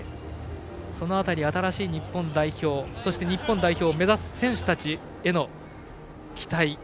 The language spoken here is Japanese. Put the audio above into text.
その辺り、新しい日本代表そして日本代表を目指す選手たちへの期待。